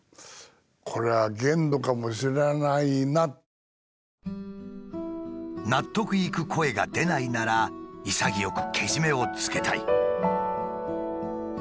うん「納得いく声が出ないなら潔くけじめをつけたい」。